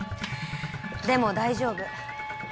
でも大丈夫。